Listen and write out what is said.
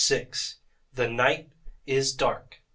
"THE NIGHT IS DARK."